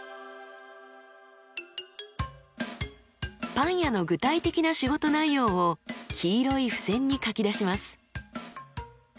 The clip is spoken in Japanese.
パン屋の具体的な仕事内容を黄色い付箋に書き出します。